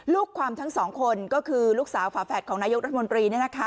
ลูกความทั้งสองคนก็คือลูกสาวฝาแฝดของนายกรัฐมนตรี